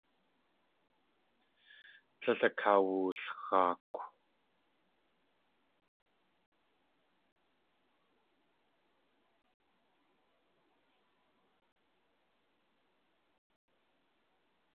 Tlél akawulxaakw.